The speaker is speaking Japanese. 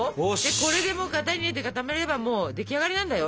これでもう型に入れて固めればもう出来上がりなんだよ。